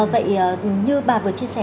vậy như bà vừa chia sẻ